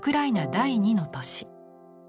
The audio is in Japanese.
第二の都市。